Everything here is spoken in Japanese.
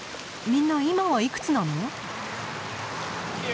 みんな今はいくつなの？